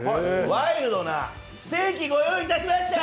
ワイルドなステーキ、ご用意いたしました。